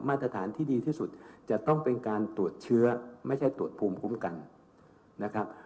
มาตรฐานที่ดีที่สุดจะต้องเป็นการตรวจเชื้อไม่ใช่ตรวจภูมิคุ้มกันนะครับ